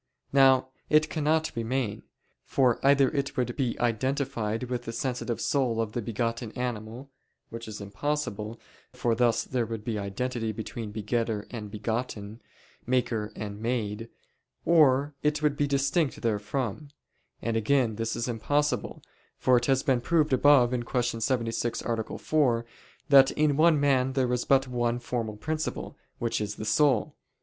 Now it cannot remain. For either it would be identified with the sensitive soul of the begotten animal; which is impossible, for thus there would be identity between begetter and begotten, maker and made: or it would be distinct therefrom; and again this is impossible, for it has been proved above (Q. 76, A. 4) that in one animal there is but one formal principle, which is the soul.